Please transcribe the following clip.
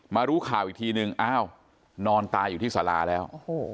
รู้ข่าวอีกทีนึงอ้าวนอนตายอยู่ที่สาราแล้ว